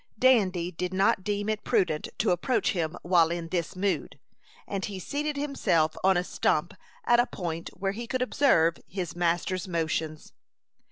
Dandy did not deem it prudent to approach him while in this mood, and he seated himself on a stump at a point where he could observe his master's motions.